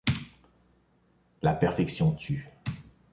La perfection tue.